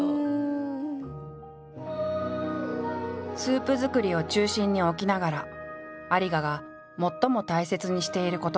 スープ作りを中心に置きながら有賀が最も大切にしていることがある。